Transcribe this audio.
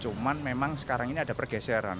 cuman memang sekarang ini ada pergeseran